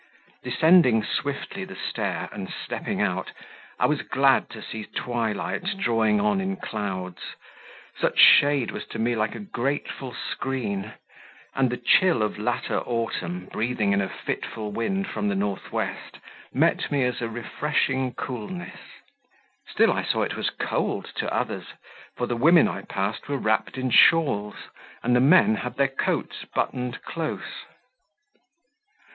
Descending swiftly the stair and stepping out, I was glad to see Twilight drawing on in clouds; such shade was to me like a grateful screen, and the chill of latter Autumn, breathing in a fitful wind from the north west, met me as a refreshing coolness. Still I saw it was cold to others, for the women I passed were wrapped in shawls, and the men had their coats buttoned close.